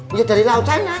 iya dari laut sana